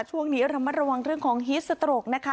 ช่วงนี้ระมัดระวังเรื่องของฮีสสโตรกนะคะ